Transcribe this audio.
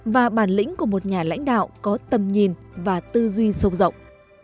và bản lĩnh của một nhà lãnh đạo có tầm nhìn và tư duy sâu rộng